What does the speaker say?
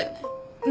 うん。